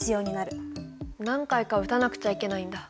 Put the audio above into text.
何回か打たなくちゃいけないんだ。